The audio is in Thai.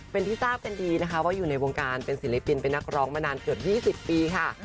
เป็นที่ทราบกันดีนะคะว่าอยู่ในวงการเป็นศิลปินเป็นนักร้องมานานเกือบ๒๐ปีค่ะ